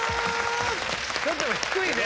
ちょっと低いね。